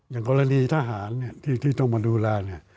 อย่างกรณีทหารที่ต้องมาดูแลเนี่ย